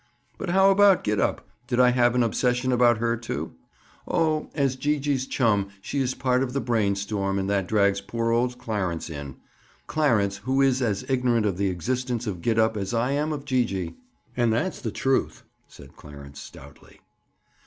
"But how about Gid up? Did I have an obsession about her, too?" "Oh, as Gee gee's chum she is part of the brainstorm and that drags poor old Clarence in,—Clarence who is as ignorant of the existence of Gid up as I am of Gee gee." "And that's the truth," said Clarence stoutly.